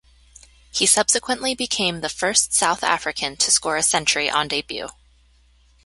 He subsequently became the first South African to score a century on debut.